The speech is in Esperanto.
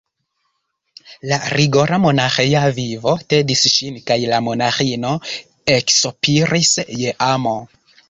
La rigora monaĥeja vivo tedis ŝin, kaj la monaĥino eksopiris je amo.